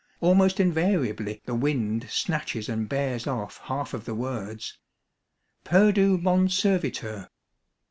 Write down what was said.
Almost invariably the wind snatches and bears off half of the words, —"... perdu mon serviteur